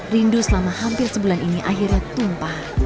rindu selama hampir sebulan ini akhirnya tumpah